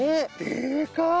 でかい！